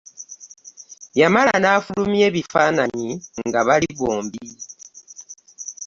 Yamala n'afulumya ebifaananyi nga bali bombi.